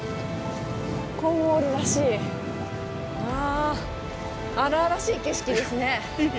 あ荒々しい景色ですね。